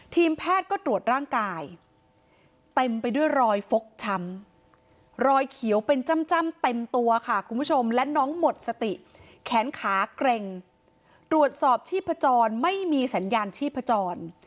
ทีมแพทย์ก็ตรวจร่างกายเต็มไปด้วยรอยฟกช้ำรอยเขียวเป็นจ้ำเต็มตัวค่ะคุณผู้ชมและน้องหมดสติแขนขาเกร็งตรวจสอบชีพจรไม่มีสัญญาณชีพจร